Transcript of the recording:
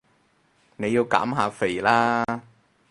你要減下肥啦